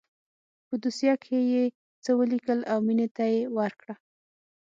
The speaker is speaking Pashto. په دوسيه کښې يې څه وليکل او مينې ته يې ورکړه.